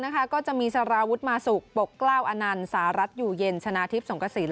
ก็จะมีสารวุฒิมาสุกปกกล้าวอนันต์สหรัฐอยู่เย็นชนะทิพย์สงกระสิน